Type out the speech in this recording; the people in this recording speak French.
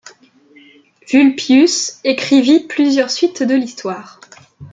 Vulpius écrivit plusieurs suites de l’histoire.